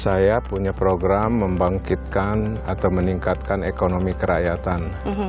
saya punya program membangkitkan atau meningkatkan ekonomi kerakyatan